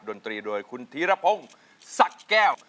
ดนตรีโดยคุณธีรพงศ์ศักดิ์แก้ว